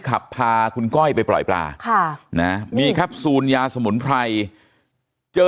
ขับพาคุณก้อยไปปล่อยปลาค่ะนะมีแคปซูลยาสมุนไพรเจอ